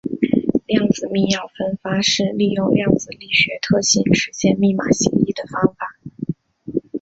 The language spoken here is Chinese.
量子密钥分发是利用量子力学特性实现密码协议的方法。